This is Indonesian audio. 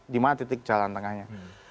di mana titik jalan tengahnya